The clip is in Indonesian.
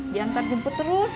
diantar jumput terus